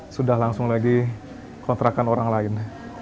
sudah langsung lagi kontrakan orang lain